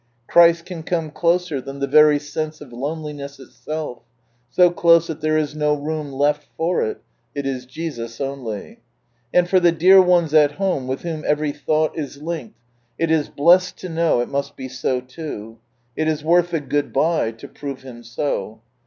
" Christ can come closer than the very sense of loneliness itself; so close that there is no room left for it^t is Jaus only." And for the dear ones at home, with whom every thought is linked, it is blessed to know it must be so too. It is worth the "Good bye" lo prove Him so.